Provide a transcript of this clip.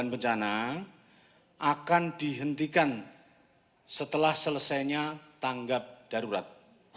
sembilan bencana akan dihentikan setelah selesainya tanggap darurat